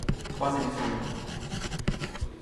Trois éléphants noirs.